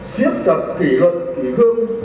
xiếp chặt kỷ luật kỷ cương